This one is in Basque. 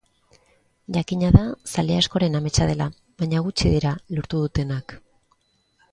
Jakina da zale askoren ametsa dela, baina gutxi dira lortu dutenak.